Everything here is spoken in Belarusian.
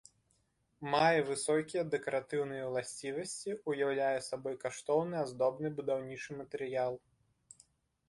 Мае высокія дэкаратыўныя ўласцівасці, уяўляе сабой каштоўны аздобны будаўнічы матэрыял.